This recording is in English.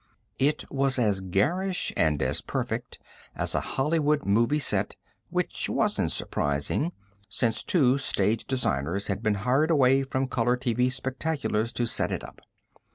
It was as garish, and as perfect, as a Hollywood movie set which wasn't surprising, since two stage designers had been hired away from color TV spectaculars to set it up.